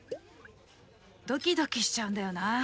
ドキドキしちゃうんだよなあ。